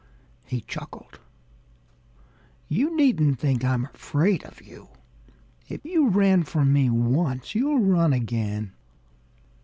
_" he chuckled. "You needn't think I'm afraid of you. If you ran from me once, you'll run again."